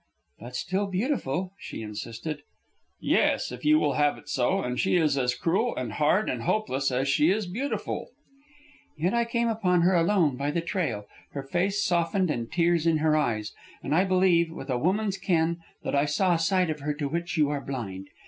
"But still beautiful," she insisted. "Yes, if you will have it so. And she is as cruel, and hard, and hopeless as she is beautiful." "Yet I came upon her, alone, by the trail, her face softened, and tears in her eyes. And I believe, with a woman's ken, that I saw a side of her to which you are blind.